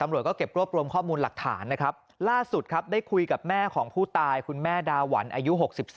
รวบรวมข้อมูลหลักฐานนะครับล่าสุดครับได้คุยกับแม่ของผู้ตายคุณแม่ดาวรรณอายุ๖๓